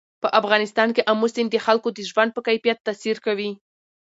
په افغانستان کې آمو سیند د خلکو د ژوند په کیفیت تاثیر کوي.